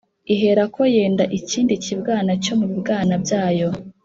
iherako yenda ikindi kibwana cyo mu bibwana byayo